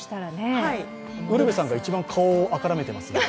ウルヴェさんが一番顔を赤らめていますよ。